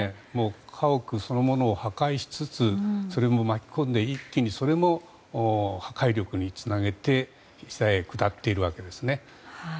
家屋そのものを破壊しつつそれも巻き込んで一気に、それも破壊力につなげて下へ、下っているわけですね。